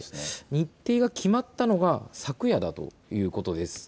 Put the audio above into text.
日程が決まったのが昨夜だということです。